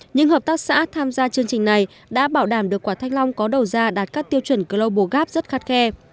những hợp tác xã tham gia chương trình này đã bảo đảm được quả thanh long có đầu ra đạt các tiêu chuẩn global gap rất khắt khe